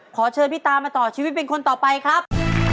ขอเชิญพี่ตามาต่อชีวิตเป็นคนต่อไปครับ